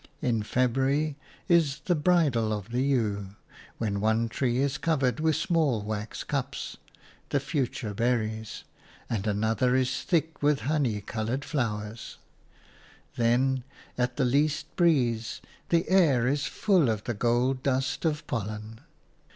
In February is the bridal of the yew, when one tree is covered with small wax cups – the future berries – and another is thick with honey coloured flowers; then, at the least breeze, the air is full of the gold dust of pollen.